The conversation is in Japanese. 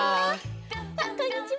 あっこんにちは。